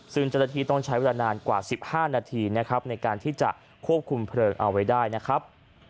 ซึ่งเจ้าหน้าที่ต้องใช้เวลานานกว่า๑๕นาทีนะครับในการที่จะควบคุมเพลิงเอาไว้ได้นะครับ